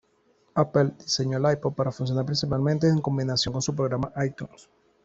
Apple diseñó el iPod para funcionar principalmente en combinación con su programa iTunes.